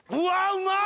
うまい！